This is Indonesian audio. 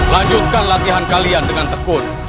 lanjutkan latihan kalian dengan tekun